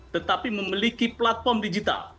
tetapi memiliki platform digital